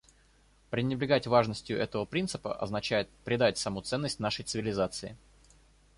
Пренебрегать важностью этого принципа означает предать саму ценность нашей цивилизации.